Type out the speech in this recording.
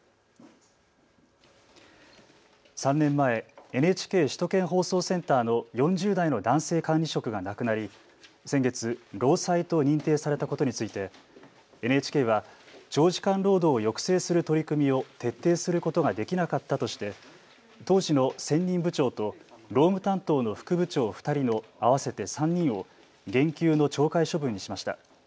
３年前、ＮＨＫ首都圏放送センターの４０代の男性管理職が亡くなり先月、労災と認定されたことについてＮＨＫは長時間労働を抑制する取り組みを徹底することができなかったとして当時の専任部長と労務担当の副部長２人の合わせて３人を減給の懲戒処分にしました。